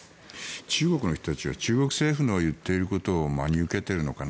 中国の人たちは中国政府の言っていることを真に受けているのかな